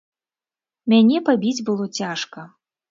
Мяне пабіць было цяжка.